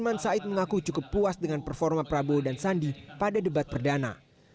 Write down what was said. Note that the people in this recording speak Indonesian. saman said mengaku cukup puas dengan performa prabowo dan sandi pada debat perdana